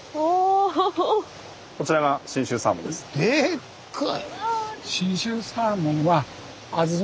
こちらが信州サーモンです。